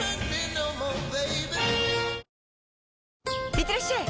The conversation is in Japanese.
いってらっしゃい！